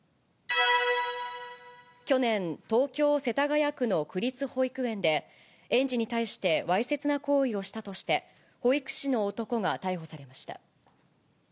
去年、東京・世田谷区の区立保育園で、園児に対してわいせつな行為をしたとして、保育士の男が逮捕されました。